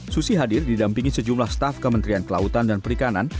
susi hadir didampingi sejumlah staf kementerian kelautan dan perikanan